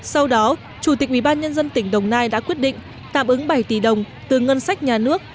sau đó chủ tịch ubnd tỉnh đồng nai đã quyết định tạm ứng bảy tỷ đồng từ ngân sách nhà nước